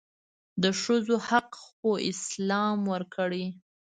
دښځو حق خواسلام ورکړي